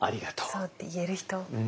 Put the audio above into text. そうって言える人。